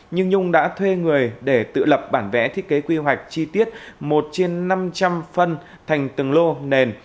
nhưng nhung đã thuê người để tự lập bản vẽ thiết kế quy hoạch chi tiết một trên năm trăm linh phân thành từng lô nền